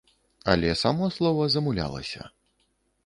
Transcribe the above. Але само слова замулялася.